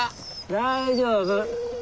大丈夫。